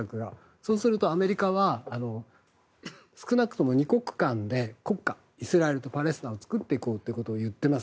そうすると、アメリカは少なくとも２国間で国家、イスラエルとパレスチナを作っていこうということを言っています。